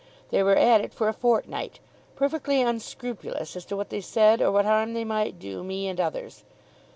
They were at it for a fortnight, perfectly unscrupulous as to what they said or what harm they might do me and others.